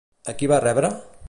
A qui va rebre?